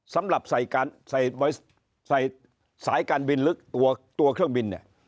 สำหรับใส่สายการบินลึกตัวเครื่องบินเนี่ย